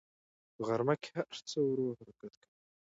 په غرمه کې هر څه ورو حرکت کوي